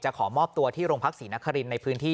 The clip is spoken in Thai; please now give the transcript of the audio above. ขอมอบตัวที่โรงพักศรีนครินในพื้นที่